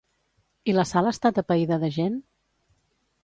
I la sala està atapeïda de gent?